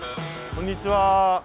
こんにちは。